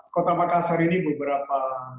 kota makassar ini beberapa